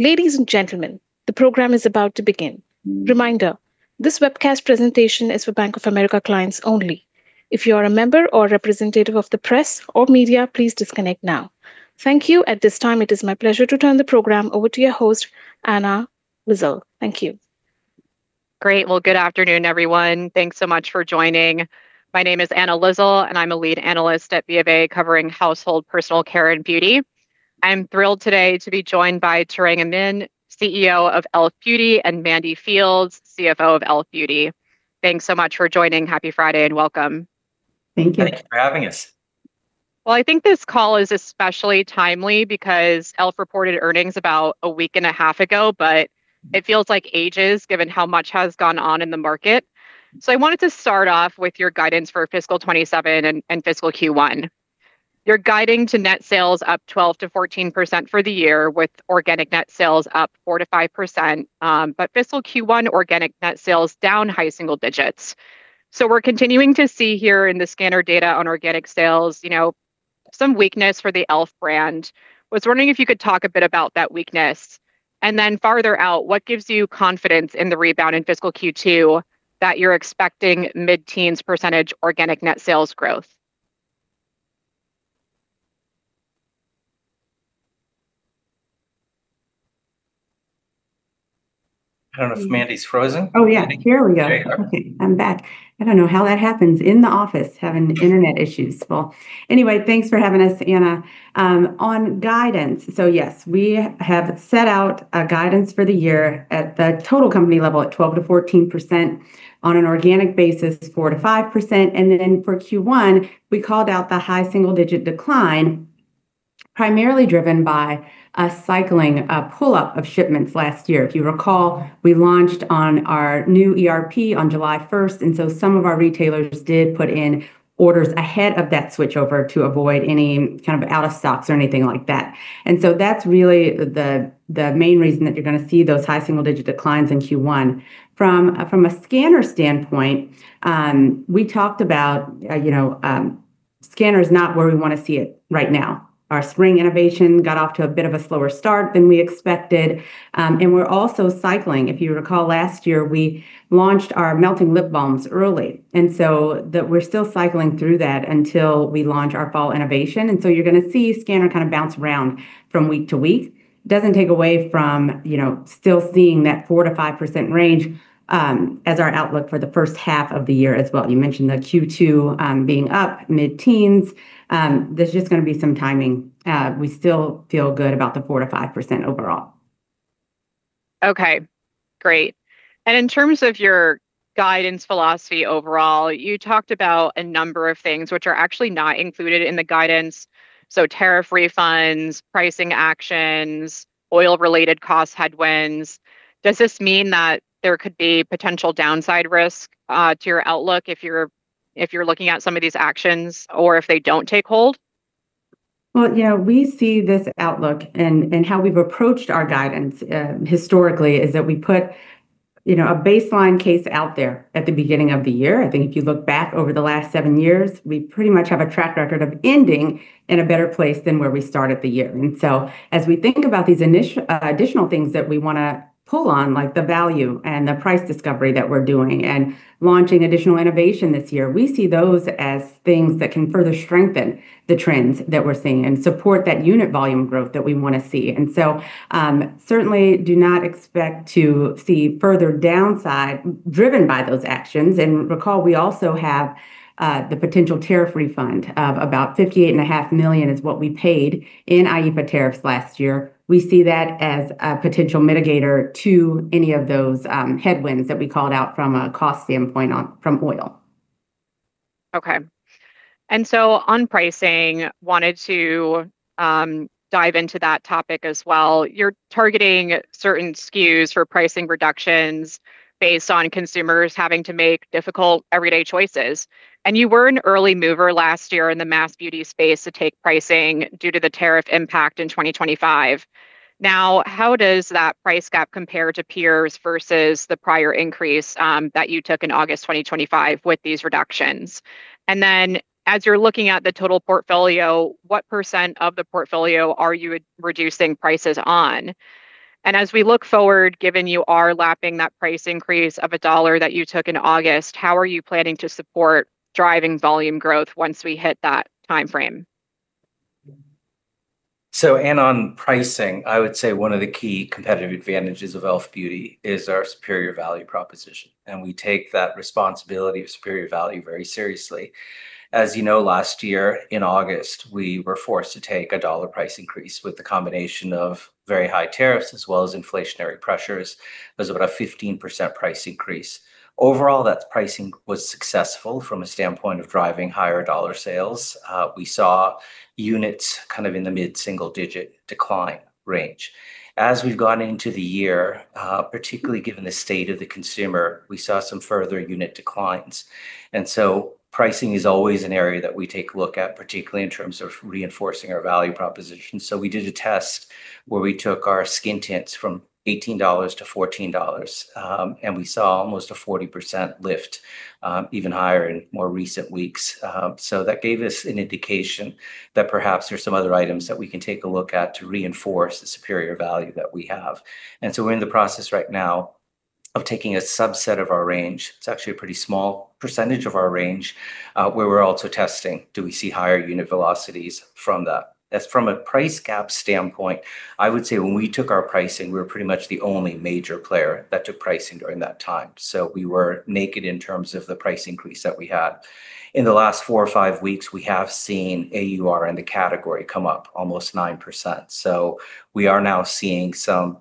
Ladies and gentlemen, the program is about to begin. Reminder, this webcast presentation is for Bank of America clients only. If you are a member or representative of the press or media, please disconnect now. Thank you. At this time, it is my pleasure to turn the program over to your host, Anna Lizzul. Thank you. Great. Well, good afternoon, everyone. Thanks so much for joining. My name is Anna Lizzul, I'm a lead analyst at BofA covering household personal care and beauty. I'm thrilled today to be joined by Tarang Amin, CEO of e.l.f. Beauty, and Mandy Fields, CFO of e.l.f. Beauty. Thanks so much for joining. Happy Friday, and welcome. Thank you. Thank you for having us. I think this call is especially timely because e.l.f. Beauty reported earnings about a week and a half ago, but it feels like ages given how much has gone on in the market. I wanted to start off with your guidance for fiscal 2027 and fiscal Q1. You're guiding to net sales up 12%-14% for the year, with organic net sales up 4%-5%, but fiscal Q1 organic net sales down high single digits. We're continuing to see here in the scanner data on organic sales, some weakness for the e.l.f. brand. Was wondering if you could talk a bit about that weakness, and then farther out, what gives you confidence in the rebound in fiscal Q2 that you're expecting mid-teens percentage organic net sales growth? I don't know if Mandy's frozen. Oh, yeah. Here we go. There you are. Okay, I'm back. I don't know how that happens, in the office, having internet issues. Well, anyway, thanks for having us, Anna. On guidance, yes, we have set out a guidance for the year at the total company level at 12%-14%, on an organic basis, 4%-5%, and then for Q1, we called out the high single-digit decline, primarily driven by a cycling, a pull-up of shipments last year. If you recall, we launched on our new ERP on July 1st. Some of our retailers did put in orders ahead of that switchover to avoid any kind of out of stocks or anything like that. That's really the main reason that you're going to see those high single-digit declines in Q1. From a scAnnar standpoint, we talked about scAnnar is not where we want to see it right now. Our spring innovation got off to a bit of a slower start than we expected. We're also cycling. If you recall last year, we launched our melting lip balms early, and so we're still cycling through that until we launch our fall innovation. You're going to see scAnnar kind of bounce around from week-to-week. Doesn't take away from still seeing that 4%-5% range, as our outlook for the first half of the year as well. You mentioned the Q2 being up mid-teens. There's just going to be some timing. We still feel good about the 4%-5% overall. Okay, great. In terms of your guidance philosophy overall, you talked about a number of things which are actually not included in the guidance, so tariff refunds, pricing actions, oil-related cost headwinds. Does this mean that there could be potential downside risk to your outlook if you're looking at some of these actions or if they don't take hold? Well, yeah, we see this outlook, and how we've approached our guidance historically is that we put a baseline case out there at the beginning of the year. I think if you look back over the last seven years, we pretty much have a track record of ending in a better place than where we started the year. As we think about these additional things that we want to pull on, like the value and the price discovery that we're doing, and launching additional innovation this year, we see those as things that can further strengthen the trends that we're seeing and support that unit volume growth that we want to see. Certainly do not expect to see further downside driven by those actions. We also have the potential tariff refund of about $58.5 million is what we paid in IEEPA tariffs last year. We see that as a potential mitigator to any of those headwinds that we called out from a cost standpoint from oil. On pricing, wanted to dive into that topic as well. You're targeting certain SKUs for pricing reductions based on consumers having to make difficult everyday choices. You were an early mover last year in the mass beauty space to take pricing due to the tariff impact in 2025. How does that price gap compare to peers versus the prior increase that you took in August 2025 with these reductions? As you're looking at the total portfolio, what percent of the portfolio are you reducing prices on? As we look forward, given you are lapping that price increase of $1 that you took in August, how are you planning to support driving volume growth once we hit that timeframe? Anna, on pricing, I would say one of the key competitive advantages of e.l.f. Beauty is our superior value proposition, and we take that responsibility of superior value very seriously. As you know, last year in August, we were forced to take a dollar price increase with the combination of very high tariffs as well as inflationary pressures. It was about a 15% price increase. Overall, that pricing was successful from a standpoint of driving higher dollar sales. We saw units kind of in the mid-single-digit decline range. As we've gone into the year, particularly given the state of the consumer, we saw some further unit declines, pricing is always an area that we take a look at, particularly in terms of reinforcing our value proposition. We did a test where we took our skin tints from $18-$14, and we saw almost a 40% lift, even higher in more recent weeks. That gave us an indication that perhaps there's some other items that we can take a look at to reinforce the superior value that we have. We're in the process right now of taking a subset of our range. It's actually a pretty small percentage of our range, where we're also testing, do we see higher unit velocities from that? As from a price gap standpoint, I would say when we took our pricing, we were pretty much the only major player that took pricing during that time. We were naked in terms of the price increase that we had. In the last four or five weeks, we have seen AUR in the category come up almost 9%. We are now seeing some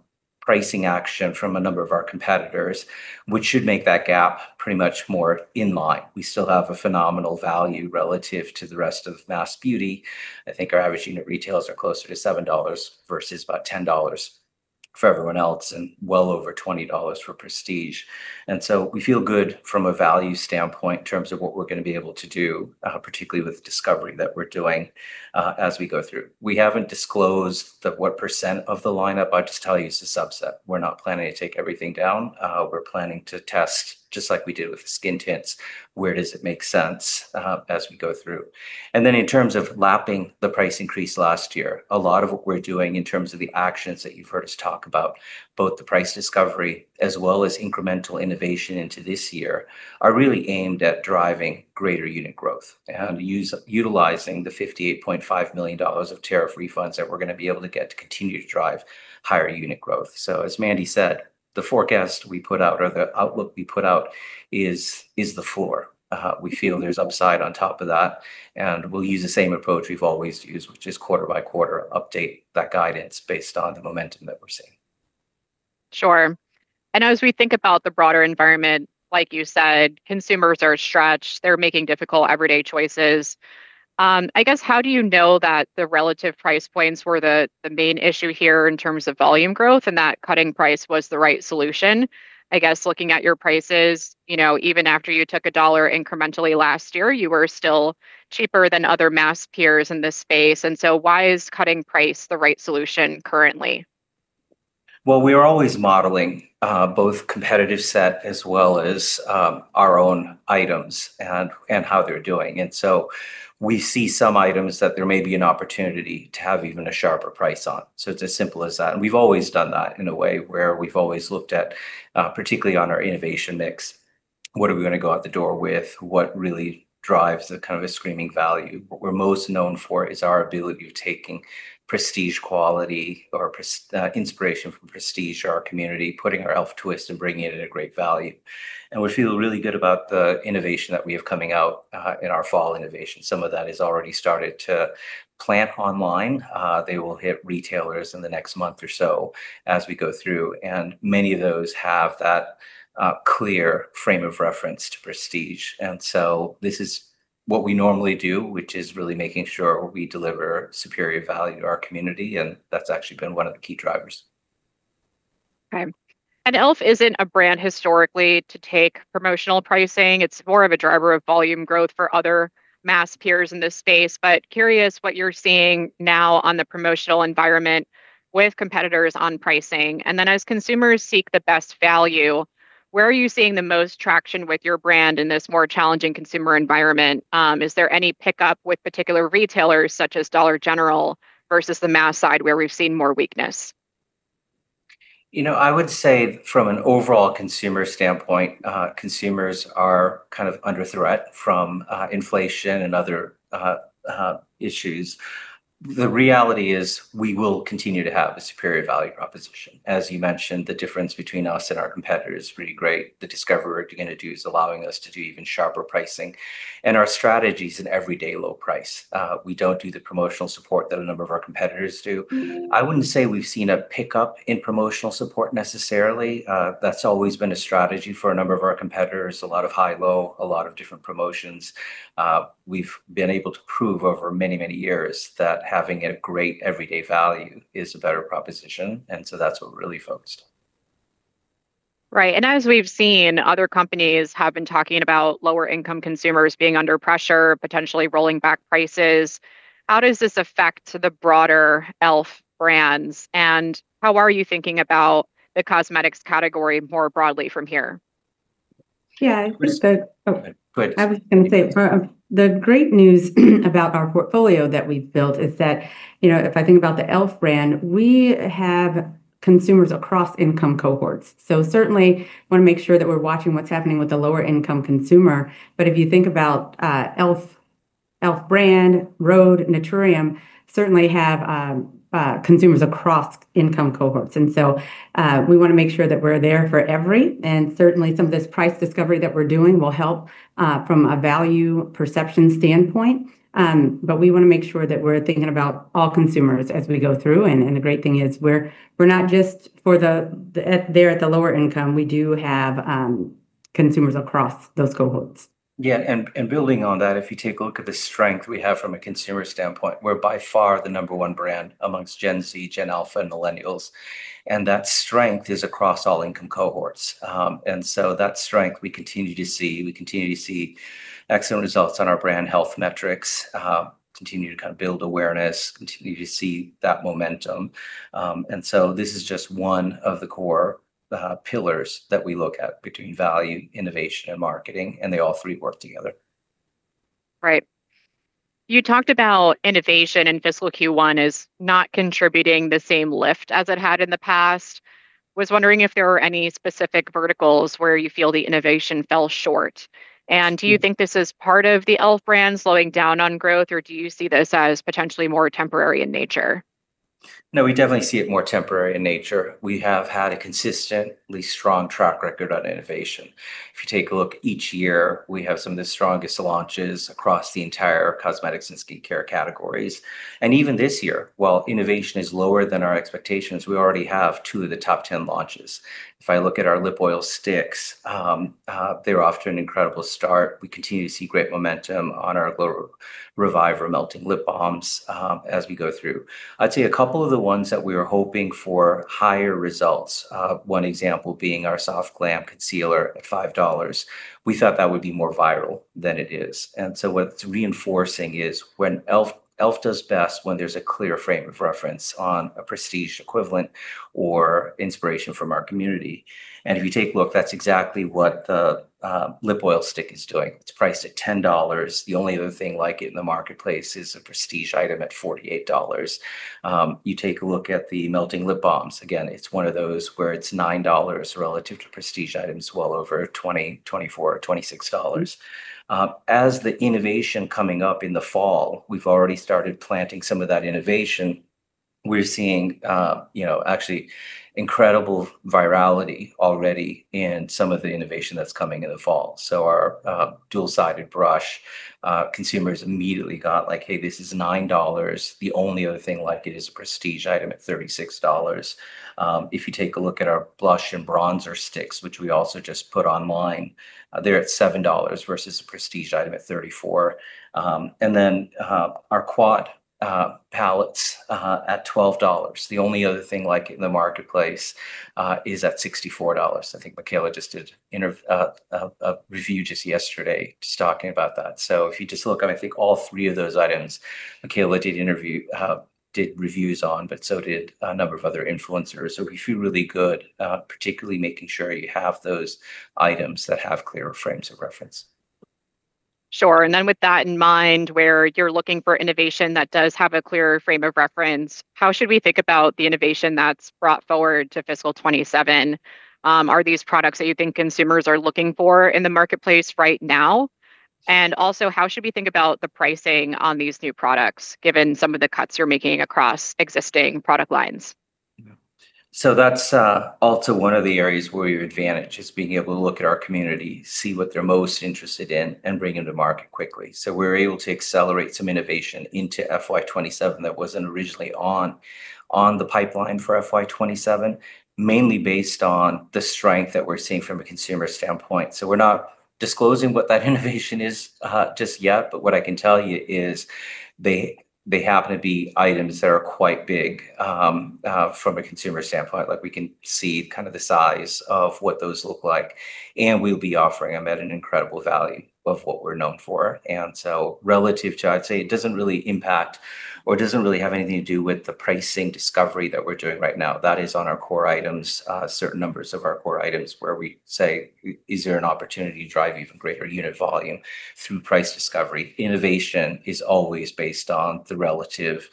pricing action from a number of our competitors, which should make that gap pretty much more in line. We still have a phenomenal value relative to the rest of mass beauty. I think our average unit retails are closer to $7 versus about $10 for everyone else, and well over $20 for prestige. We feel good from a value standpoint in terms of what we're going to be able to do, particularly with discovery that we're doing as we go through. We haven't disclosed what % of the lineup. I'll just tell you it's a subset. We're not planning to take everything down. We're planning to test, just like we did with the skin tints, where does it make sense as we go through. Then in terms of lapping the price increase last year, a lot of what we're doing in terms of the actions that you've heard us talk about, both the price discovery as well as incremental innovation into this year, are really aimed at driving greater unit growth and utilizing the $58.5 million of tariff refunds that we're going to be able to get to continue to drive higher unit growth. As Mandy said, the forecast we put out or the outlook we put out is the floor. We feel there's upside on top of that, and we'll use the same approach we've always used, which is quarter-by-quarter, update that guidance based on the momentum that we're seeing. Sure. As we think about the broader environment, like you said, consumers are stretched. They're making difficult everyday choices. I guess, how do you know that the relative price points were the main issue here in terms of volume growth, and that cutting price was the right solution? I guess, looking at your prices, even after you took $1 incrementally last year, you were still cheaper than other mass peers in this space. Why is cutting price the right solution currently? We are always modeling both competitive set as well as our own items and how they're doing. We see some items that there may be an opportunity to have even a sharper price on. It's as simple as that, we've always done that in a way where we've always looked at, particularly on our innovation mix, what are we going to go out the door with? What really drives a screaming value? What we're most known for is our ability of taking prestige quality or inspiration from prestige to our community, putting our e.l.f. twist and bringing it at a great value. We feel really good about the innovation that we have coming out in our fall innovation. Some of that is already started to plant online. They will hit retailers in the next month or so as we go through, and many of those have that clear frame of reference to prestige. This is what we normally do, which is really making sure we deliver superior value to our community, and that's actually been one of the key drivers. Okay. e.l.f. isn't a brand historically to take promotional pricing. It's more of a driver of volume growth for other mass peers in this space. Curious what you're seeing now on the promotional environment with competitors on pricing. Then as consumers seek the best value, where are you seeing the most traction with your brand in this more challenging consumer environment? Is there any pickup with particular retailers, such as Dollar General versus the mass side, where we've seen more weakness? I would say from an overall consumer standpoint, consumers are kind of under threat from inflation and other issues. The reality is we will continue to have a superior value proposition. As you mentioned, the difference between us and our competitor is pretty great. The discovery we're going to do is allowing us to do even sharper pricing, and our strategy is an everyday low price. We don't do the promotional support that a number of our competitors do. I wouldn't say we've seen a pickup in promotional support, necessarily. That's always been a strategy for a number of our competitors, a lot of high-low, a lot of different promotions. We've been able to prove over many, many years that having a great everyday value is a better proposition, and so that's what we're really focused on. Right. As we've seen, other companies have been talking about lower income consumers being under pressure, potentially rolling back prices. How does this affect the broader e.l.f. brands, and how are you thinking about the cosmetics category more broadly from here? Yeah. Go ahead. I was going to say, the great news about our portfolio that we've built is that, if I think about the e.l.f. brand, we have consumers across income cohorts. Certainly want to make sure that we're watching what's happening with the lower income consumer. If you think about e.l.f., e.l.f. brand, rhode, Naturium, certainly have consumers across income cohorts. We want to make sure that we're there for every, and certainly some of this price discovery that we're doing will help, from a value perception standpoint. We want to make sure that we're thinking about all consumers as we go through. The great thing is we're not just there at the lower income. We do have consumers across those cohorts. Yeah, building on that, if you take a look at the strength we have from a consumer standpoint, we're by far the number one brand amongst Gen Z, Generation Alpha, and Millennials. That strength is across all income cohorts. That strength we continue to see. We continue to see excellent results on our brand health metrics, continue to build awareness, continue to see that momentum. This is just one of the core pillars that we look at between value, innovation, and marketing, and they all three work together. Right. You talked about innovation in fiscal Q1 as not contributing the same lift as it had in the past. Was wondering if there were any specific verticals where you feel the innovation fell short, and do you think this is part of the e.l.f. brand slowing down on growth, or do you see this as potentially more temporary in nature? We definitely see it more temporary in nature. We have had a consistently strong track record on innovation. If you take a look each year, we have some of the strongest launches across the entire cosmetics and skincare categories. Even this year, while innovation is lower than our expectations, we already have two of the top 10 launches. If I look at our lip oil sticks, they're off to an incredible start. We continue to see great momentum on our Glow Reviver Melting Lip Balms as we go through. I'd say a couple of the ones that we were hoping for higher results, one example being our Soft Glam concealer at $5. We thought that would be more viral than it is. What it's reinforcing is e.l.f. does best when there's a clear frame of reference on a prestige equivalent or inspiration from our community. If you take a look, that's exactly what the lip oil stick is doing. It's priced at $10. The only other thing like it in the marketplace is a prestige item at $48. You take a look at the melting lip balms. Again, it's one of those where it's $9 relative to prestige items well over $20, $24, or $26. As the innovation coming up in the fall, we've already started planting some of that innovation. We're seeing actually incredible virality already in some of the innovation that's coming in the fall. Our dual-sided brush, consumers immediately got like, "Hey, this is $9." The only other thing like it is a prestige item at $36. If you take a look at our blush and bronzer sticks, which we also just put online, they're at $7 versus a prestige item at $34. Our quad palettes at $12, the only other thing like it in the marketplace is at $64. I think Mikayla just did a review just yesterday just talking about that. If you just look at, I think all three of those items, Mikayla did reviews on, but so did a number of other influencers. We feel really good, particularly making sure you have those items that have clear frames of reference. Sure. With that in mind, where you're looking for innovation that does have a clear frame of reference, how should we think about the innovation that's brought forward to fiscal 2027? Are these products that you think consumers are looking for in the marketplace right now? How should we think about the pricing on these new products, given some of the cuts you're making across existing product lines? That's also one of the areas where your advantage is being able to look at our community, see what they're most interested in, and bring them to market quickly. We're able to accelerate some innovation into FY 2027 that wasn't originally on the pipeline for FY 2027, mainly based on the strength that we're seeing from a consumer standpoint. We're not disclosing what that innovation is just yet, but what I can tell you is they happen to be items that are quite big from a consumer standpoint. We can see the size of what those look like, and we'll be offering them at an incredible value of what we're known for. Relative to, I'd say it doesn't really impact, or it doesn't really have anything to do with the pricing discovery that we're doing right now. That is on our core items, certain numbers of our core items, where we say, "Is there an opportunity to drive even greater unit volume through price discovery?" Innovation is always based on the relative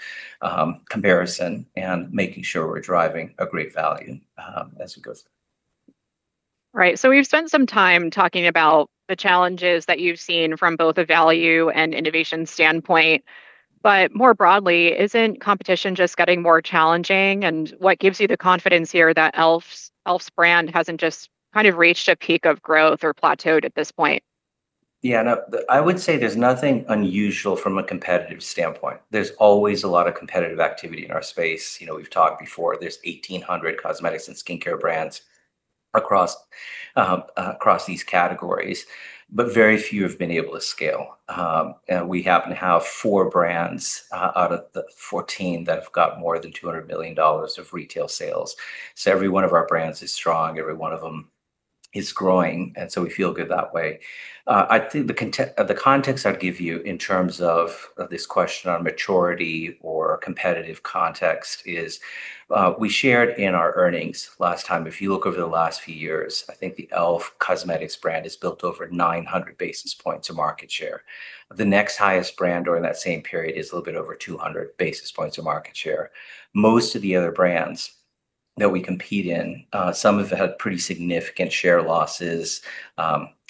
comparison and making sure we're driving a great value as we go through. Right. We've spent some time talking about the challenges that you've seen from both a value and innovation standpoint, more broadly, isn't competition just getting more challenging? What gives you the confidence here that e.l.f. brand hasn't just reached a peak of growth or plateaued at this point? No. I would say there's nothing unusual from a competitive standpoint. There's always a lot of competitive activity in our space. We've talked before, there's 1,800 cosmetics and skincare brands across these categories. Very few have been able to scale. We happen to have four brands out of the 14 that have got more than $200 million of retail sales. Every one of our brands is strong, every one of them is growing, we feel good that way. I think the context I'd give you in terms of this question on maturity or competitive context is, we shared in our earnings last time, if you look over the last few years, I think the e.l.f. Cosmetics brand has built over 900 basis points of market share. The next highest brand during that same period is a little bit over 200 basis points of market share. Most of the other brands that we compete in, some have had pretty significant share losses.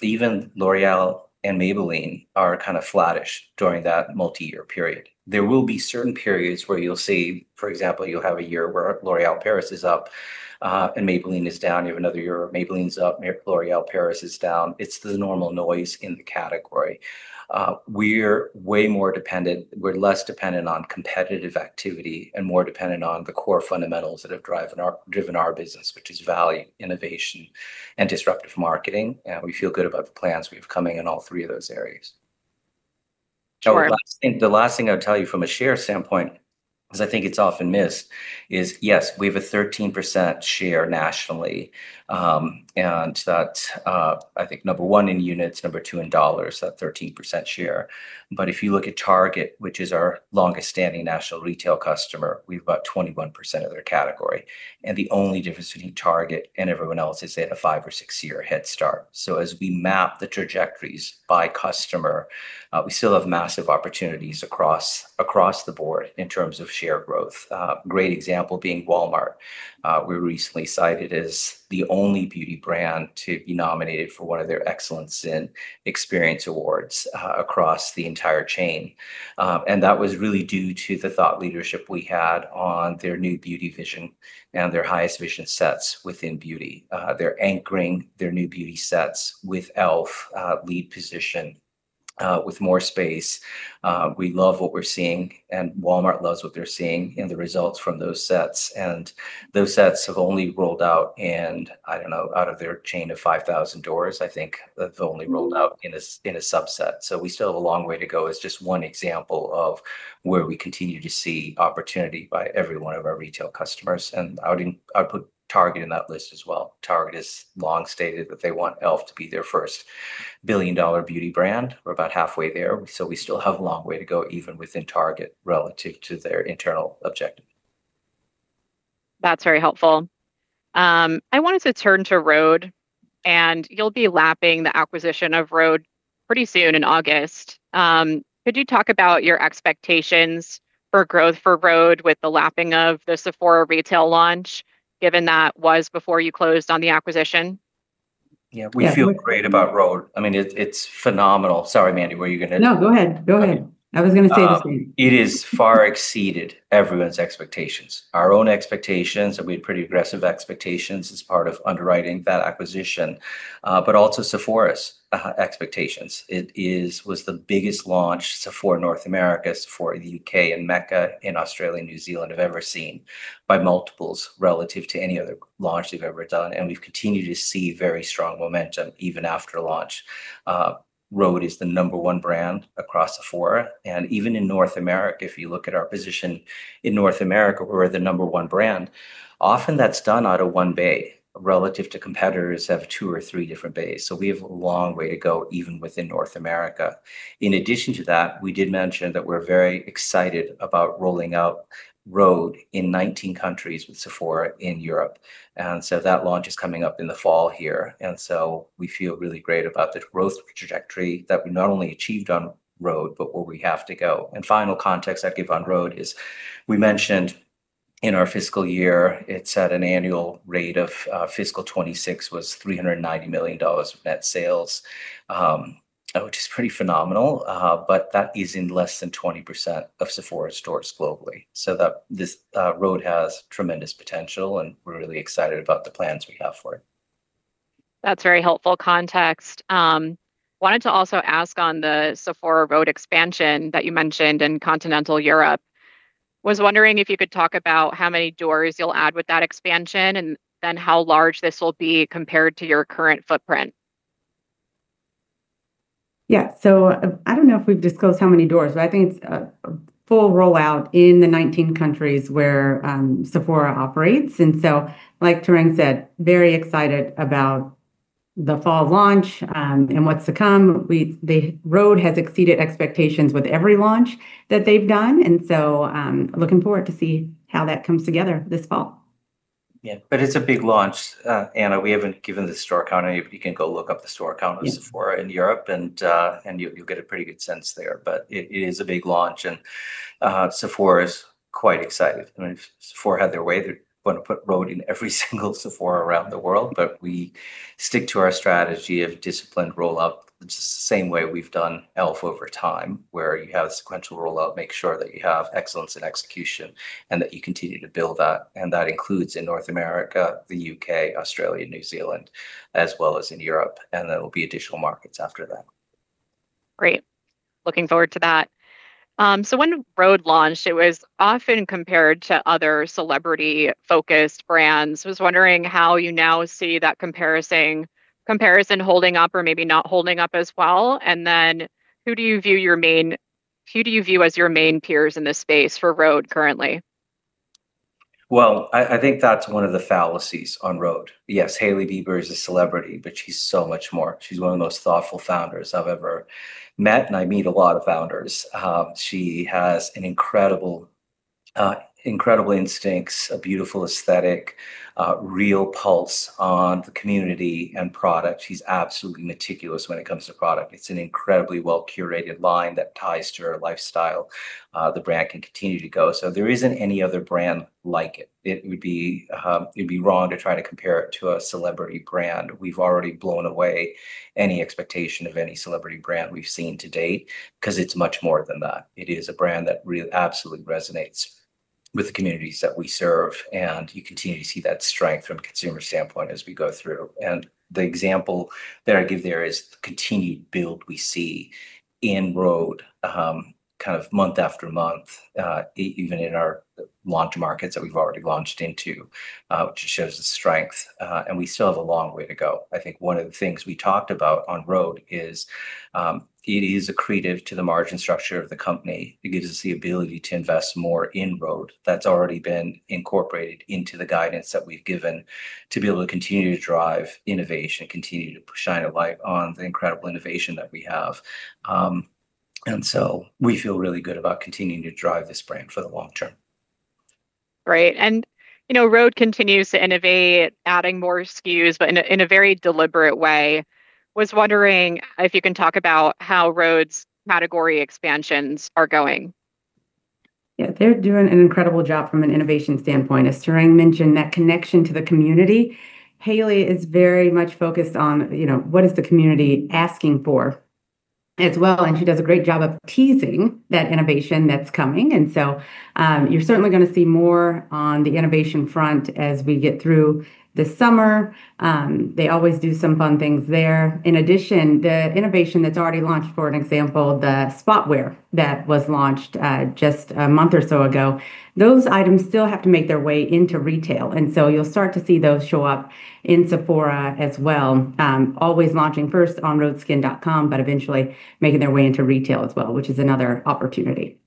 Even L'Oréal and Maybelline are kind of flattish during that multi-year period. There will be certain periods where you'll see, for example, you'll have a year where L'Oréal Paris is up, and Maybelline is down. You have another year where Maybelline's up, L'Oréal Paris is down. It's the normal noise in the category. We're less dependent on competitive activity and more dependent on the core fundamentals that have driven our business, which is value, innovation, and disruptive marketing, and we feel good about the plans we have coming in all three of those areas. Sure. The last thing I would tell you from a share standpoint, because I think it's often missed, is yes, we have a 13% share nationally, and that's I think number one in units, number two in dollars, that 13% share. If you look at Target, which is our longest-standing national retail customer, we've got 21% of their category. The only difference between Target and everyone else is they have a five or six-year head start. As we map the trajectories by customer, we still have massive opportunities across the board in terms of share growth. Great example being Walmart. We were recently cited as the only beauty brand to be nominated for one of their Excellence in Experience awards across the entire chain. That was really due to the thought leadership we had on their new beauty vision and their highest vision sets within beauty. They're anchoring their new beauty sets with e.l.f. lead position with more space. We love what we're seeing, Walmart loves what they're seeing in the results from those sets. Those sets have only rolled out in, I don't know, out of their chain of 5,000 doors, I think they've only rolled out in a subset. We still have a long way to go as just one example of where we continue to see opportunity by every one of our retail customers. I would put Target in that list as well. Target has long stated that they want e.l.f. to be their first billion-dollar beauty brand. We're about halfway there, so we still have a long way to go even within Target relative to their internal objective. That's very helpful. You'll be lapping the acquisition of rhode pretty soon in August. Could you talk about your expectations for growth for rhode with the lapping of the Sephora retail launch, given that was before you closed on the acquisition? Yeah. We feel great about rhode. It's phenomenal. Sorry, Mandy, were you going to- No, go ahead. I was going to stay the same. It has far exceeded everyone's expectations. Our own expectations, and we had pretty aggressive expectations as part of underwriting that acquisition, but also Sephora's expectations. It was the biggest launch Sephora North America, Sephora U.K., and Mecca, Australia and New Zealand have ever seen by multiples relative to any other launch they've ever done, and we've continued to see very strong momentum even after launch. rhode is the number one brand across Sephora, and even in North America if you look at our position in North America, we're the number one brand. Often that's done out of one bay relative to competitors who have two or three different bays. We have a long way to go even within North America. In addition to that, we did mention that we're very excited about rolling out rhode in 19 countries with Sephora in Europe. That launch is coming up in the fall here. We feel really great about the growth trajectory that we not only achieved on rhode, but where we have to go. Final context I'd give on rhode is we mentioned in our fiscal year, it's at an annual rate of fiscal 2026 was $390 million of net sales, which is pretty phenomenal. That is in less than 20% of Sephora stores globally. rhode has tremendous potential, and we're really excited about the plans we have for it. That's very helpful context. Wanted to also ask on the Sephora rhode expansion that you mentioned in continental Europe. Was wondering if you could talk about how many doors you'll add with that expansion, and then how large this will be compared to your current footprint. Yeah. I don't know if we've disclosed how many doors, but I think it's a full rollout in the 19 countries where Sephora operates. Like Tarang said, very excited about the fall launch, and what's to come. rhode has exceeded expectations with every launch that they've done, and so looking forward to see how that comes together this fall. Yeah. It's a big launch, Anna. We haven't given the store count. You can go look up the store count of Sephora in Europe, and you'll get a pretty good sense there. It is a big launch, and Sephora is quite excited. If Sephora had their way, they're going to put rhode in every single Sephora around the world. We stick to our strategy of disciplined rollout, which is the same way we've done e.l.f. over time, where you have a sequential rollout, make sure that you have excellence in execution, and that you continue to build that. That includes in North America, the U.K., Australia, New Zealand, as well as in Europe, and there will be additional markets after that. Great. Looking forward to that. When rhode launched, it was often compared to other celebrity-focused brands. I was wondering how you now see that comparison holding up or maybe not holding up as well. Who do you view as your main peers in this space for rhode currently? Well, I think that's one of the fallacies on rhode. Yes, Hailey Bieber is a celebrity, she's so much more. She's one of the most thoughtful founders I've ever met, I meet a lot of founders. She has incredible instincts, a beautiful aesthetic, real pulse on the community and product. She's absolutely meticulous when it comes to product. It's an incredibly well-curated line that ties to her lifestyle. The brand can continue to go. There isn't any other brand like it. It'd be wrong to try to compare it to a celebrity brand. We've already blown away any expectation of any celebrity brand we've seen to date, because it's much more than that. It is a brand that really absolutely resonates with the communities that we serve, you continue to see that strength from a consumer standpoint as we go through. The example that I give there is the continued build we see in rhode month after month, even in our launch markets that we've already launched into, which shows the strength, and we still have a long way to go. I think one of the things we talked about on rhode is, it is accretive to the margin structure of the company. It gives us the ability to invest more in rhode. That's already been incorporated into the guidance that we've given to be able to continue to drive innovation, continue to shine a light on the incredible innovation that we have. We feel really good about continuing to drive this brand for the long term. Great. rhode continues to innovate, adding more SKUs, but in a very deliberate way. Was wondering if you can talk about how rhode's category expansions are going. They're doing an incredible job from an innovation standpoint. As Tarang mentioned, that connection to the community, Hailey is very much focused on what is the community asking for as well, and she does a great job of teasing that innovation that's coming. You're certainly going to see more on the innovation front as we get through the summer. They always do some fun things there. In addition, the innovation that's already launched, for example, the spot wear that was launched just a month or so ago, those items still have to make their way into retail. You'll start to see those show up in Sephora as well. Always launching first on rhodeskin.com, but eventually making their way into retail as well, which is another opportunity.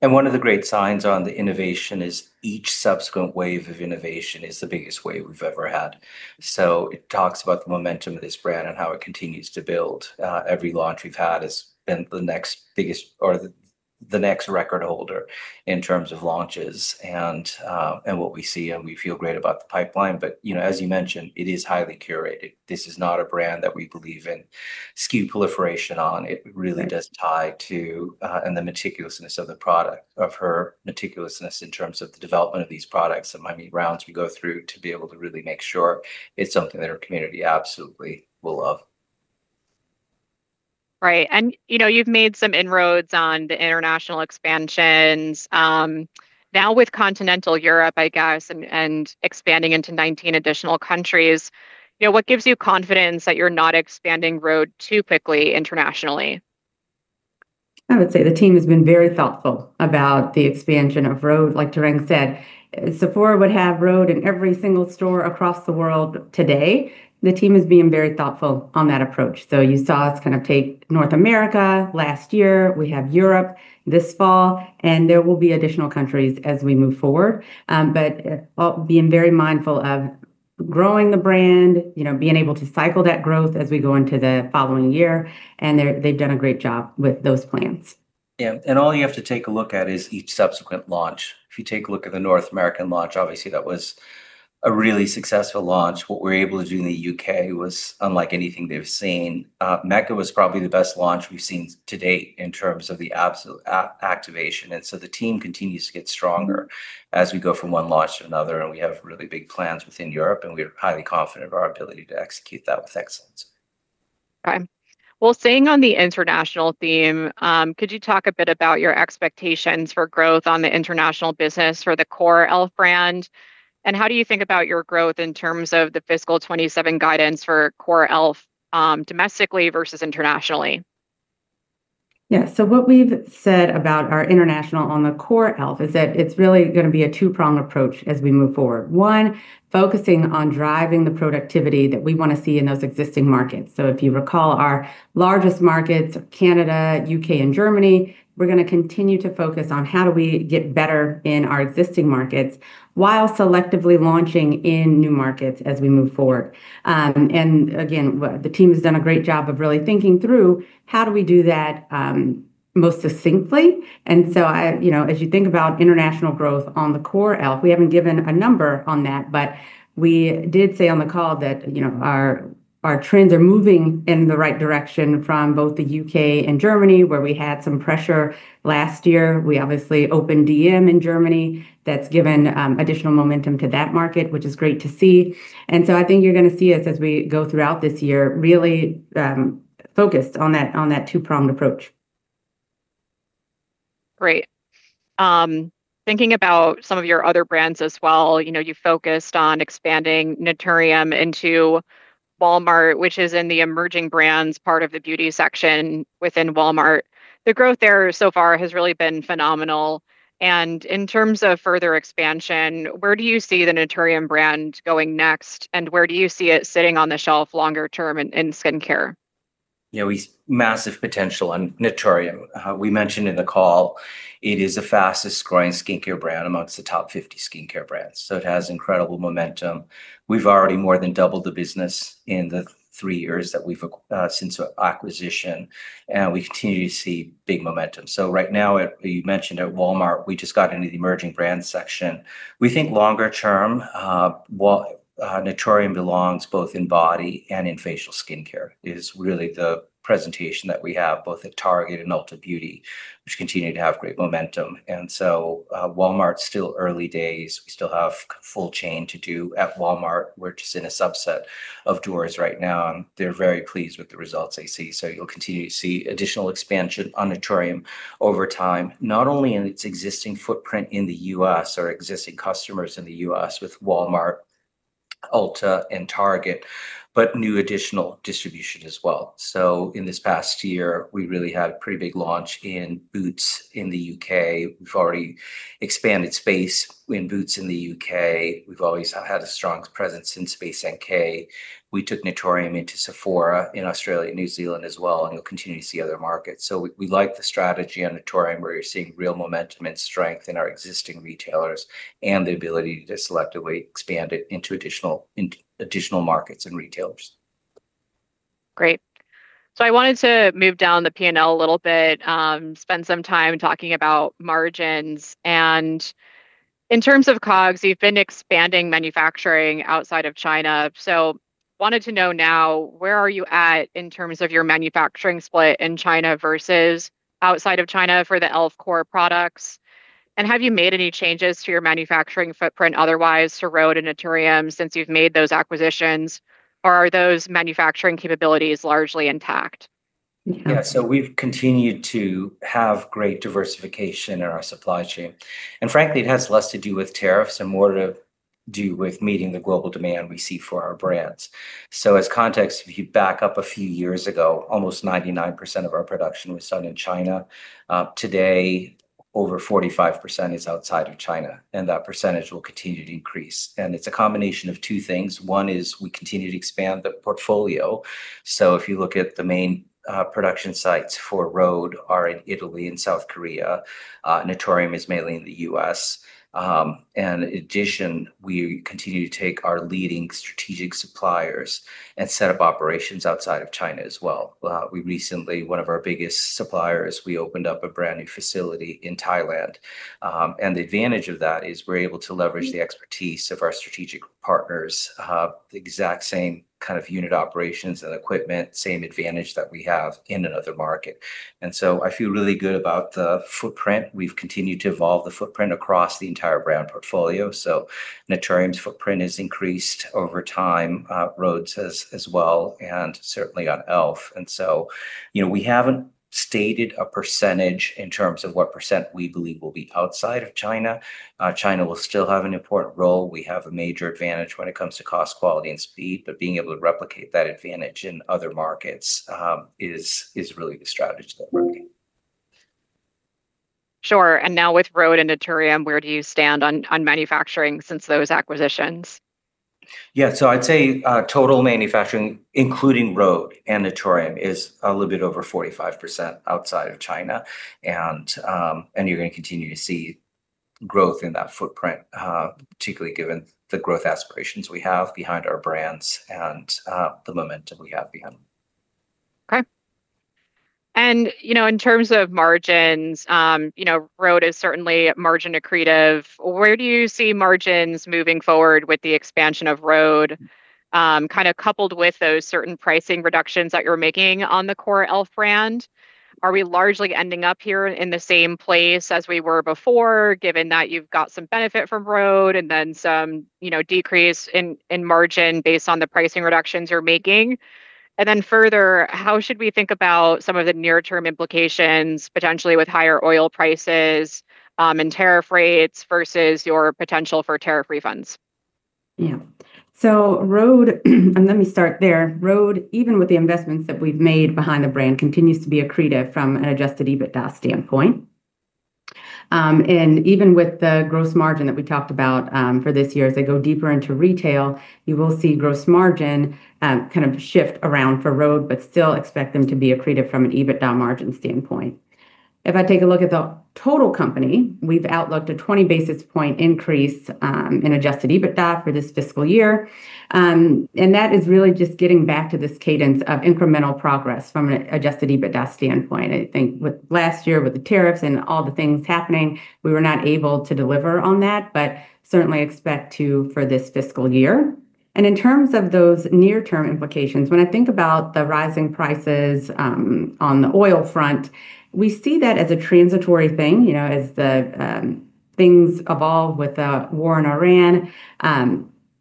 One of the great signs on the innovation is each subsequent wave of innovation is the biggest wave we've ever had. It talks about the momentum of this brand and how it continues to build. Every launch we've had has been the next record holder in terms of launches and what we see, and we feel great about the pipeline. As you mentioned, it is highly curated. This is not a brand that we believe in SKU proliferation on. It really does tie to, and the meticulousness of the product, of her meticulousness in terms of the development of these products. I mean, rounds we go through to be able to really make sure it's something that our community absolutely will love. Right. You've made some inroads on the international expansions. Now with continental Europe, I guess, and expanding into 19 additional countries, what gives you confidence that you're not expanding rhode too quickly internationally? I would say the team has been very thoughtful about the expansion of rhode. Like Tarang said, if Sephora would have rhode in every single store across the world today, the team is being very thoughtful on that approach. You saw us kind of take North America last year. We have Europe this fall, and there will be additional countries as we move forward. Being very mindful of growing the brand, being able to cycle that growth as we go into the following year, and they've done a great job with those plans. Yeah. All you have to take a look at is each subsequent launch. If you take a look at the North American launch, obviously, that was a really successful launch. What we were able to do in the U.K. was unlike anything they've seen. Mecca was probably the best launch we've seen to date in terms of the absolute activation. The team continues to get stronger as we go from one launch to another, and we have really big plans within Europe, and we are highly confident of our ability to execute that with excellence. Okay. Well, staying on the international theme, could you talk a bit about your expectations for growth on the international business for the core e.l.f. brand? How do you think about your growth in terms of the fiscal 2027 guidance for core e.l.f., domestically versus internationally? Yeah. What we've said about our international on the core e.l.f. is that it's really going to be a two-prong approach as we move forward. One, focusing on driving the productivity that we want to see in those existing markets. If you recall, our largest markets are Canada, U.K., and Germany. We're going to continue to focus on how do we get better in our existing markets while selectively launching in new markets as we move forward. Again, the team has done a great job of really thinking through how do we do that most succinctly. As you think about international growth on the core e.l.f., we haven't given a number on that, but we did say on the call that our trends are moving in the right direction from both the U.K. and Germany, where we had some pressure last year. We obviously opened dm in Germany. That's given additional momentum to that market, which is great to see. I think you're going to see us, as we go throughout this year, really focused on that two-pronged approach. Great. Thinking about some of your other brands as well, you focused on expanding Naturium into Walmart, which is in the emerging brands part of the beauty section within Walmart. The growth there so far has really been phenomenal. In terms of further expansion, where do you see the Naturium brand going next, and where do you see it sitting on the shelf longer term in skincare? Massive potential on Naturium. We mentioned in the call, it is the fastest-growing skincare brand amongst the top 50 skincare brands, so it has incredible momentum. We've already more than doubled the business in the three years since our acquisition, and we continue to see big momentum. Right now, you mentioned at Walmart, we just got into the emerging brands section. We think longer term, Naturium belongs both in body and in facial skincare, is really the presentation that we have both at Target and Ulta Beauty, which continue to have great momentum. Walmart's still early days. We still have full chain to do at Walmart. We're just in a subset of doors right now, and they're very pleased with the results they see. You'll continue to see additional expansion on Naturium over time, not only in its existing footprint in the U.S. or existing customers in the U.S. with Walmart, Ulta, and Target, but new additional distribution as well. In this past year, we really had a pretty big launch in Boots in the U.K. We've already expanded space in Boots in the U.K. We've always had a strong presence in Space NK. We took Naturium into Sephora in Australia and New Zealand as well, and you'll continue to see other markets. We like the strategy on Naturium, where you're seeing real momentum and strength in our existing retailers and the ability to selectively expand it into additional markets and retailers. Great. I wanted to move down the P&L a little bit, spend some time talking about margins. In terms of COGS, you've been expanding manufacturing outside of China. Wanted to know now, where are you at in terms of your manufacturing split in China versus outside of China for the e.l.f. core products? Have you made any changes to your manufacturing footprint otherwise to rhode and Naturium since you've made those acquisitions, or are those manufacturing capabilities largely intact? We've continued to have great diversification in our supply chain. Frankly, it has less to do with tariffs and more to do with meeting the global demand we see for our brands. As context, if you back up a few years ago, almost 99% of our production was done in China. Today, over 45% is outside of China, and that percentage will continue to increase. It's a combination of two things. One is we continue to expand the portfolio. If you look at the main production sites for rhode are in Italy and South Korea. Naturium is mainly in the U.S. In addition, we continue to take our leading strategic suppliers and set up operations outside of China as well. We recently, one of our biggest suppliers, we opened up a brand-new facility in Thailand. The advantage of that is we're able to leverage the expertise of our strategic partners, the exact same kind of unit operations and equipment, same advantage that we have in another market. I feel really good about the footprint. We've continued to evolve the footprint across the entire brand portfolio. Naturium's footprint has increased over time, rhode's as well, and certainly on e.l.f. We haven't stated a percentage in terms of what percent we believe will be outside of China. China will still have an important role. We have a major advantage when it comes to cost, quality, and speed, but being able to replicate that advantage in other markets, is really the strategy that we're working. Sure. Now with rhode and Naturium, where do you stand on manufacturing since those acquisitions? Yeah. I'd say, total manufacturing, including rhode and Naturium, is a little bit over 45% outside of China. You're going to continue to see growth in that footprint, particularly given the growth aspirations we have behind our brands and the momentum we have behind them. Okay. In terms of margins, rhode is certainly margin accretive. Where do you see margins moving forward with the expansion of rhode, kind of coupled with those certain pricing reductions that you're making on the core e.l.f. brand? Are we largely ending up here in the same place as we were before, given that you've got some benefit from rhode and then some decrease in margin based on the pricing reductions you're making? Further, how should we think about some of the near-term implications, potentially with higher oil prices, and tariff rates versus your potential for tariff refunds? Yeah. rhode, and let me start there. rhode, even with the investments that we've made behind the brand, continues to be accretive from an adjusted EBITDA standpoint. Even with the gross margin that we talked about for this year, as I go deeper into retail, you will see gross margin kind of shift around for rhode, but still expect them to be accretive from an EBITDA margin standpoint. If I take a look at the total company, we've outlooked a 20 basis point increase in adjusted EBITDA for this fiscal year. That is really just getting back to this cadence of incremental progress from an adjusted EBITDA standpoint. I think with last year with the tariffs and all the things happening, we were not able to deliver on that, but certainly expect to for this fiscal year. In terms of those near-term implications, when I think about the rising prices on the oil front, we see that as a transitory thing, as the things evolve with the war in Iran.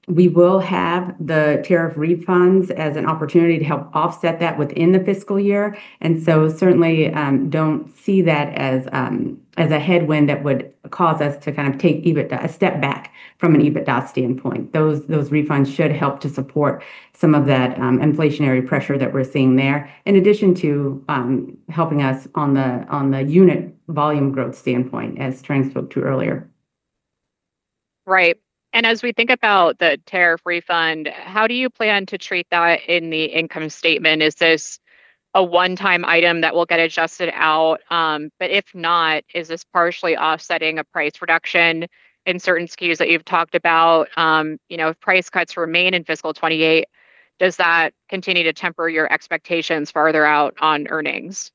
We will have the tariff refunds as an opportunity to help offset that within the fiscal year. Certainly, don't see that as a headwind that would cause us to kind of take a step back from an EBITDA standpoint. Those refunds should help to support some of that inflationary pressure that we're seeing there, in addition to helping us on the unit volume growth standpoint, as Tarang spoke to earlier. Right. As we think about the tariff refund, how do you plan to treat that in the income statement? Is this a one-time item that will get adjusted out? If not, is this partially offsetting a price reduction in certain SKUs that you've talked about? If price cuts remain in fiscal 2028, does that continue to temper your expectations farther out on earnings?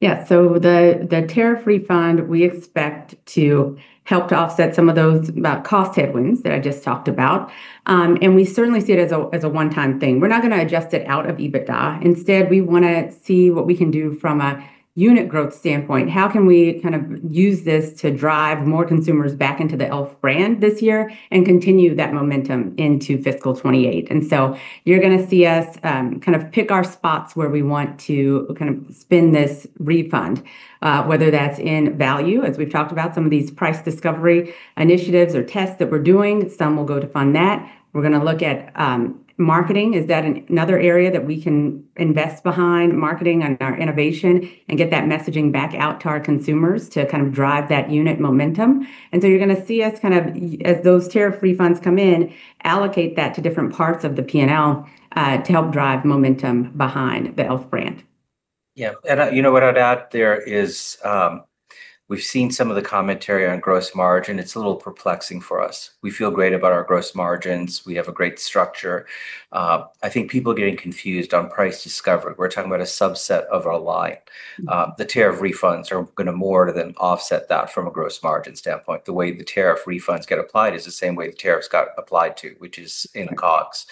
Yeah. The tariff refund, we expect to help to offset some of those cost headwinds that I just talked about. We certainly see it as a one-time thing. We're not going to adjust it out of EBITDA. Instead, we want to see what we can do from a unit growth standpoint. How can we kind of use this to drive more consumers back into the e.l.f. brand this year and continue that momentum into fiscal 2028? You're going to see us kind of pick our spots where we want to kind of spend this refund, whether that's in value, as we've talked about, some of these price discovery initiatives or tests that we're doing. Some will go to fund that. We're going to look at marketing. Is that another area that we can invest behind, marketing and our innovation, and get that messaging back out to our consumers to kind of drive that unit momentum. You're going to see us kind of, as those tariff refunds come in, allocate that to different parts of the P&L to help drive momentum behind the e.l.f. brand. Yeah. You know what I'd add there is, we've seen some of the commentary on gross margin. It's a little perplexing for us. We feel great about our gross margins. We have a great structure. I think people are getting confused on price discovery. We're talking about a subset of our line. The tariff refunds are going to more than offset that from a gross margin standpoint. The way the tariff refunds get applied is the same way the tariffs got applied to, which is in COGS.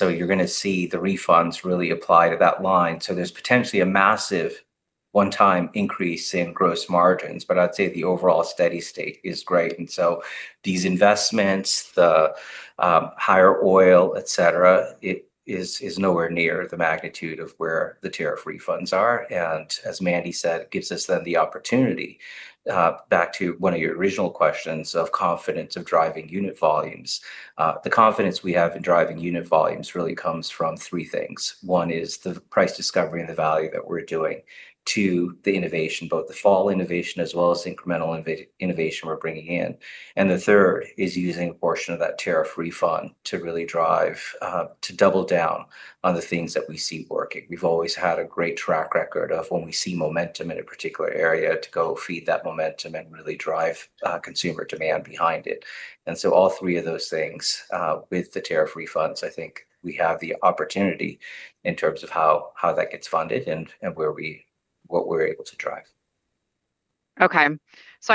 You're going to see the refunds really apply to that line. There's potentially a massive one-time increase in gross margins, but I'd say the overall steady state is great. These investments, the higher oil, et cetera, it is nowhere near the magnitude of where the tariff refunds are. As Mandy said, gives us then the opportunity. Back to one of your original questions of confidence of driving unit volumes. The confidence we have in driving unit volumes really comes from three things. One is the price discovery and the value that we're doing. Two, the innovation, both the fall innovation as well as incremental innovation we're bringing in. The third is using a portion of that tariff refund to really drive, to double down on the things that we see working. We've always had a great track record of when we see momentum in a particular area to go feed that momentum and really drive consumer demand behind it. All three of those things, with the tariff refunds, I think we have the opportunity in terms of how that gets funded and what we're able to drive. I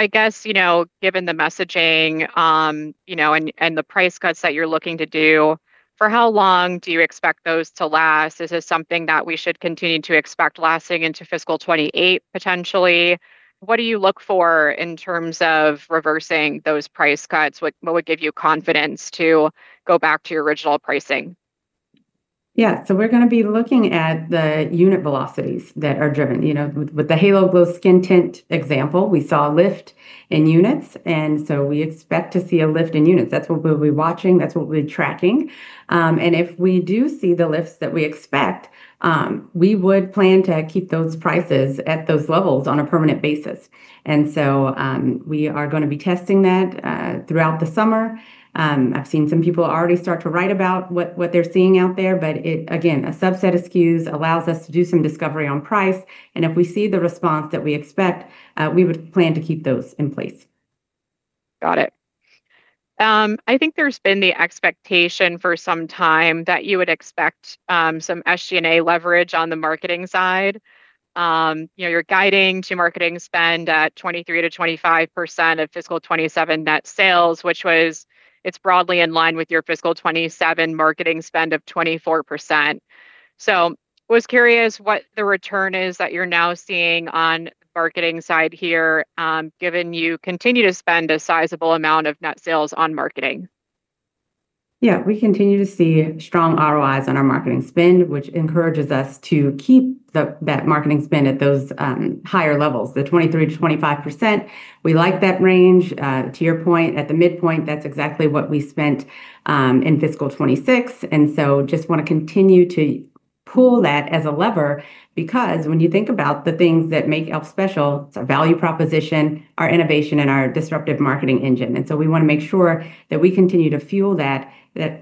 guess, given the messaging, and the price cuts that you're looking to do, for how long do you expect those to last? Is this something that we should continue to expect lasting into fiscal 2028 potentially? What do you look for in terms of reversing those price cuts? What would give you confidence to go back to your original pricing? Yeah. We're going to be looking at the unit velocities that are driven. With the Halo Glow Skin Tint example, we saw a lift in units, and so we expect to see a lift in units. That's what we'll be watching, that's what we'll be tracking. If we do see the lifts that we expect, we would plan to keep those prices at those levels on a permanent basis. We are going to be testing that throughout the summer. I've seen some people already start to write about what they're seeing out there, but again, a subset of SKUs allows us to do some discovery on price, and if we see the response that we expect, we would plan to keep those in place. Got it. I think there's been the expectation for some time that you would expect some SG&A leverage on the marketing side. You're guiding to marketing spend at 23%-25% of FY 2027 net sales, it's broadly in line with your FY 2027 marketing spend of 24%. I was curious what the return is that you're now seeing on the marketing side here, given you continue to spend a sizable amount of net sales on marketing. Yeah. We continue to see strong ROIs on our marketing spend, which encourages us to keep that marketing spend at those higher levels, the 23%-25%. We like that range. To your point, at the midpoint, that's exactly what we spent in fiscal 2026. Just want to continue to pull that as a lever because when you think about the things that make e.l.f. special, it's our value proposition, our innovation, and our disruptive marketing engine. We want to make sure that we continue to fuel that,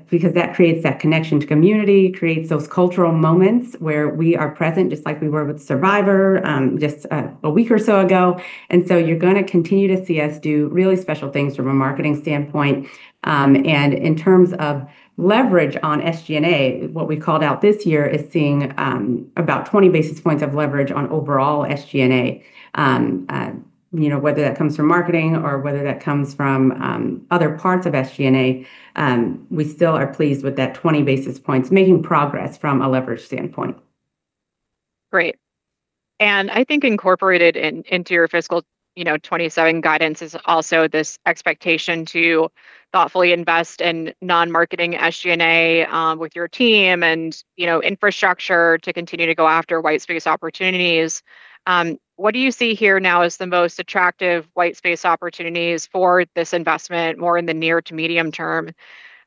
because that creates that connection to community, creates those cultural moments where we are present, just like we were with SURVIVOR, just a week or so ago. You're going to continue to see us do really special things from a marketing standpoint. In terms of leverage on SG&A, what we called out this year is seeing about 20 basis points of leverage on overall SG&A. Whether that comes from marketing or whether that comes from other parts of SG&A, we still are pleased with that 20 basis points. Making progress from a leverage standpoint. Great. I think incorporated into your fiscal 2027 guidance is also this expectation to thoughtfully invest in non-marketing SG&A, with your team and infrastructure to continue to go after white space opportunities. What do you see here now as the most attractive white space opportunities for this investment, more in the near to medium term?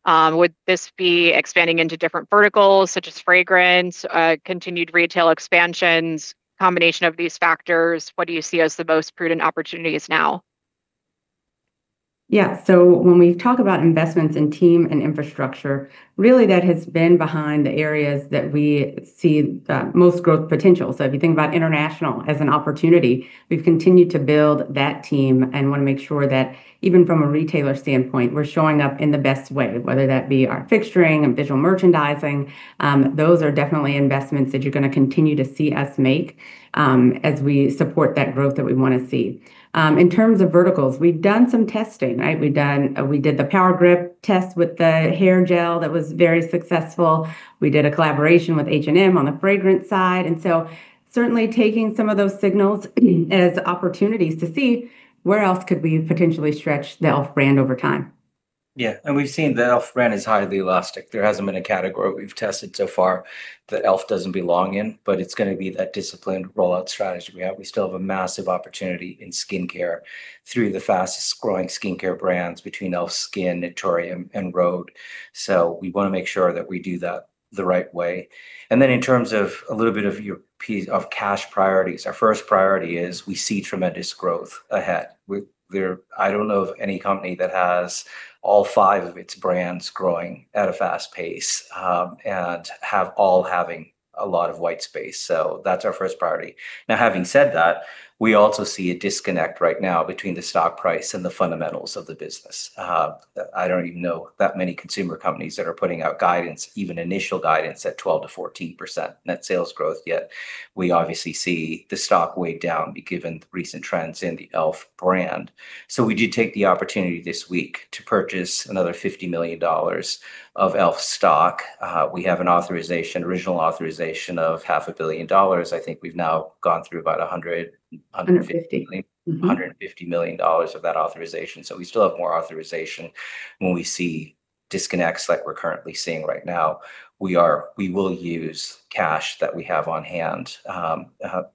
Would this be expanding into different verticals such as fragrance, continued retail expansions, combination of these factors? What do you see as the most prudent opportunities now? Yeah. When we talk about investments in team and infrastructure, really that has been behind the areas that we see the most growth potential. If you think about international as an opportunity, we've continued to build that team and want to make sure that even from a retailer standpoint, we're showing up in the best way, whether that be our fixturing and visual merchandising. Those are definitely investments that you're going to continue to see us make, as we support that growth that we want to see. In terms of verticals, we've done some testing. We did the Power Grip test with the hair gel. That was very successful. We did a collaboration with H&M on the fragrance side, certainly taking some of those signals as opportunities to see where else could we potentially stretch the e.l.f. brand over time. We've seen the e.l.f. brand is highly elastic. There hasn't been a category that we've tested so far that e.l.f. doesn't belong in, but it's going to be that disciplined rollout strategy we have. We still have a massive opportunity in skincare through the fastest-growing skincare brands, between e.l.f. SKIN, Naturium, and rhode. We want to make sure that we do that the right way. Then in terms of a little bit of your piece of cash priorities, our first priority is we see tremendous growth ahead. I don't know of any company that has all five of its brands growing at a fast pace, and all having a lot of white space. That's our first priority. Now, having said that, we also see a disconnect right now between the stock price and the fundamentals of the business. I don't even know that many consumer companies that are putting out guidance, even initial guidance, at 12%-14% net sales growth yet. We obviously see the stock way down given recent trends in the e.l.f. brand. We did take the opportunity this week to purchase another $50 million of e.l.f. stock. We have an original authorization of half a billion dollars. I think we've now gone through about. $150 million, mm-hmm. $150 million of that authorization. We still have more authorization. When we see disconnects like we're currently seeing right now, we will use cash that we have on hand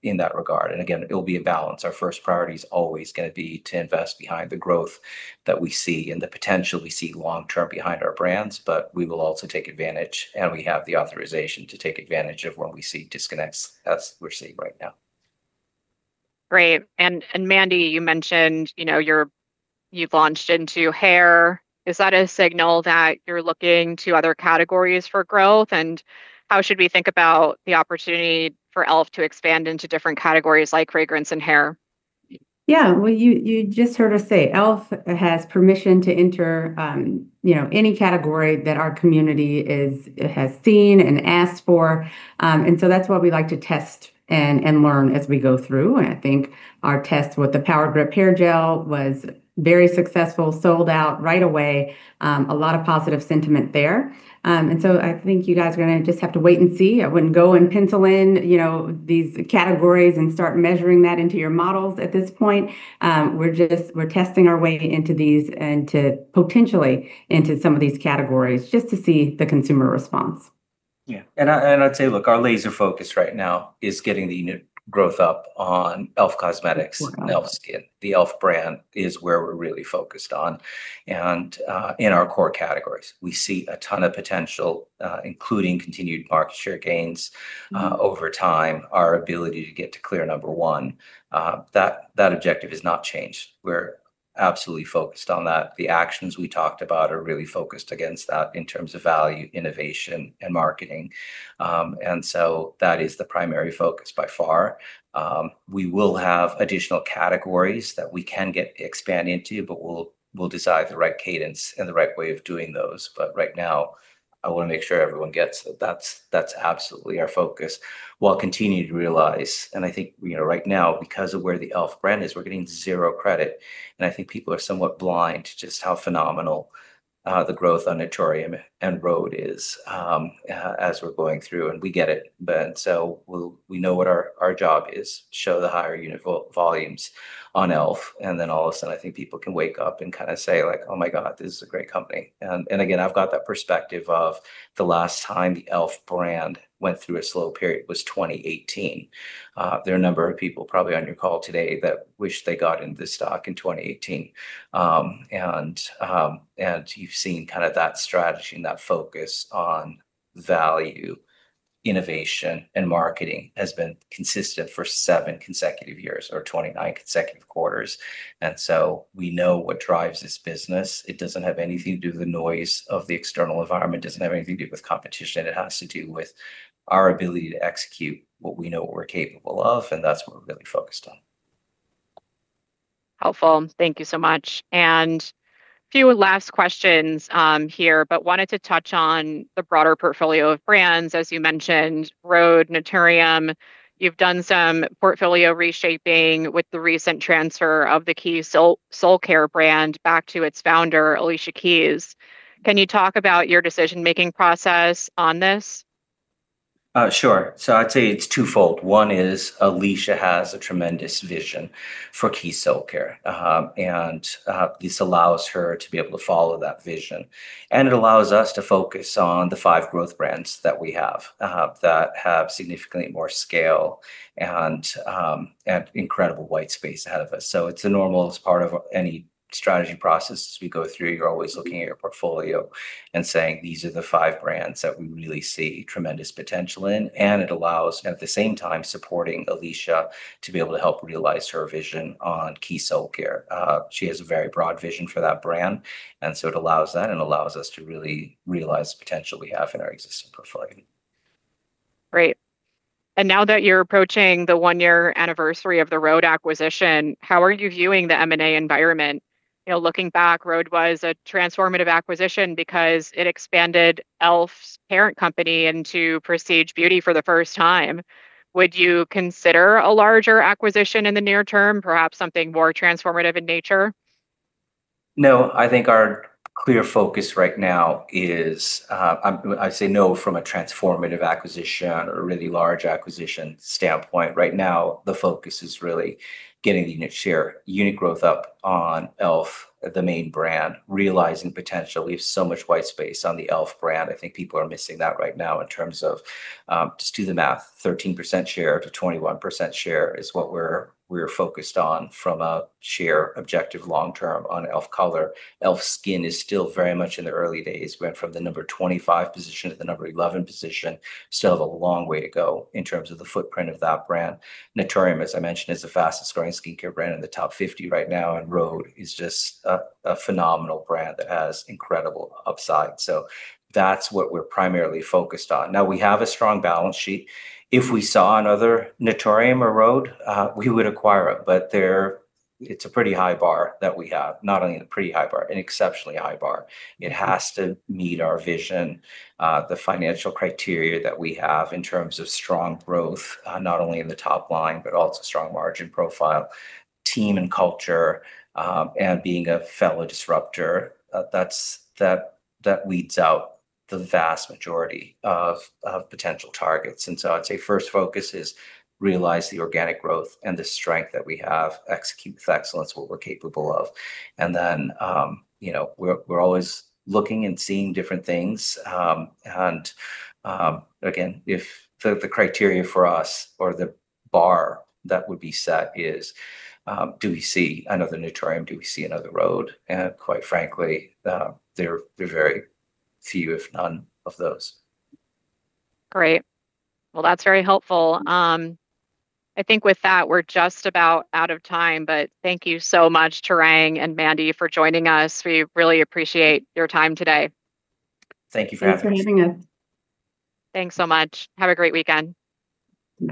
in that regard. Again, it will be a balance. Our first priority's always going to be to invest behind the growth that we see, and the potential we see long term behind our brands. We will also take advantage, and we have the authorization to take advantage of when we see disconnects as we're seeing right now. Great. Mandy, you mentioned you've launched into hair. Is that a signal that you're looking to other categories for growth? How should we think about the opportunity for e.l.f. to expand into different categories like fragrance and hair? Yeah. Well, you just heard us say e.l.f. has permission to enter any category that our community has seen and asked for. That's why we like to test and learn as we go through. I think our test with the Power Grip hair gel was very successful. Sold out right away. A lot of positive sentiment there. I think you guys are going to just have to wait and see. I wouldn't go and pencil in these categories and start measuring that into your models at this point. We're testing our way into these, and to potentially into some of these categories, just to see the consumer response. Yeah. I'd say, look, our laser focus right now is getting the unit growth up on e.l.f. Cosmetics and e.l.f. SKIN. The e.l.f. brand is where we're really focused on, and in our core categories. We see a ton of potential, including continued market share gains over time, our ability to get to clear number one. That objective has not changed. We're absolutely focused on that. The actions we talked about are really focused against that in terms of value, innovation, and marketing. That is the primary focus by far. We will have additional categories that we can expand into, but we'll decide the right cadence and the right way of doing those. Right now, I want to make sure everyone gets that that's absolutely our focus, while continuing to realize, and I think right now, because of where the e.l.f. Brand is, we're getting zero credit. I think people are somewhat blind to just how phenomenal the growth on Naturium and rhode is as we're going through, and we get it. We know what our job is, show the higher unit volumes on e.l.f., then all of a sudden, I think people can wake up and kind of say, "Oh my God, this is a great company." Again, I've got that perspective of the last time the e.l.f. brand went through a slow period was 2018. There are a number of people probably on your call today that wish they got into this stock in 2018. You've seen that strategy and that focus on value, innovation, and marketing has been consistent for seven consecutive years or 29 consecutive quarters. We know what drives this business. It doesn't have anything to do with the noise of the external environment, doesn't have anything to do with competition. It has to do with our ability to execute what we know what we're capable of, and that's what we're really focused on. Helpful. Thank you so much. Few last questions here, but wanted to touch on the broader portfolio of brands, as you mentioned, rhode, Naturium. You've done some portfolio reshaping with the recent transfer of the Keys Soulcare brand back to its founder, Alicia Keys. Can you talk about your decision-making process on this? Sure. I'd say it's twofold. One is Alicia has a tremendous vision for Keys Soulcare. This allows her to be able to follow that vision. It allows us to focus on the five growth brands that we have, that have significantly more scale and incredible white space ahead of us. It's a normal part of any strategy process as we go through. You're always looking at your portfolio and saying, "These are the five brands that we really see tremendous potential in." It allows, at the same time, supporting Alicia to be able to help realize her vision on Keys Soulcare. She has a very broad vision for that brand, and so it allows that and allows us to really realize the potential we have in our existing portfolio. Great. Now that you're approaching the one-year anniversary of the rhode acquisition, how are you viewing the M&A environment? Looking back, rhode was a transformative acquisition because it expanded e.l.f. Beauty's parent company into prestige beauty for the first time. Would you consider a larger acquisition in the near term, perhaps something more transformative in nature? No, I think our clear focus right now is, I say no from a transformative acquisition or a really large acquisition standpoint. Right now, the focus is really getting the unit share, unit growth up on e.l.f., the main brand, realizing potential. We have so much white space on the e.l.f. brand. I think people are missing that right now in terms of, just do the math, 13% share to 21% share is what we're focused on from a share objective long term on e.l.f. color. e.l.f. SKIN is still very much in the early days. Went from the number 25 position to the number 11 position. Still have a long way to go in terms of the footprint of that brand. Naturium, as I mentioned, is the fastest growing skincare brand in the top 50 right now, and rhode is just a phenomenal brand that has incredible upside. That's what we're primarily focused on. Now, we have a strong balance sheet. If we saw another Naturium or rhode, we would acquire it, but it's a pretty high bar that we have, not only a pretty high bar, an exceptionally high bar. It has to meet our vision, the financial criteria that we have in terms of strong growth, not only in the top line, but also strong margin profile, team and culture, and being a fellow disruptor. That weeds out the vast majority of potential targets. I'd say first focus is realize the organic growth and the strength that we have, execute with excellence what we're capable of. Then, we're always looking and seeing different things. Again, if the criteria for us or the bar that would be set is, do we see another Naturium? Do we see another rhode? Quite frankly, there are very few, if none, of those. Great. Well, that's very helpful. I think with that, we're just about out of time. Thank you so much, Tarang and Mandy, for joining us. We really appreciate your time today. Thank you for having us. Thanks for having us. Thanks so much. Have a great weekend.